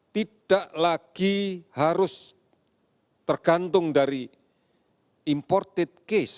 tidak lagi harus tergantung dari imported case